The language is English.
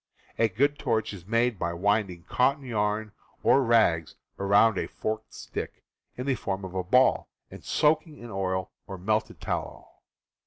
A good torch is made by winding cotton yarn or rags around a forked stick, in the form of a ball, and soaking in oil or melted tallow.